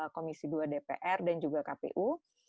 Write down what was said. komisi dua dpr dan juga kpu